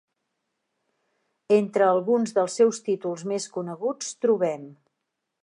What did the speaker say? Entre alguns dels seus títols més coneguts trobem: